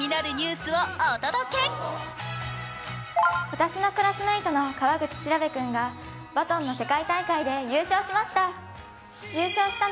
私のクラスメイトの川口調君がバトンの世界大会で優勝しました。